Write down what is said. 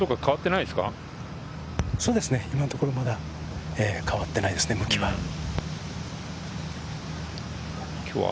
そうですね、今のところ変わってないですね、向きは。